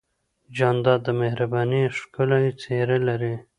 جانداد د مهربانۍ ښکلی څېرہ لري.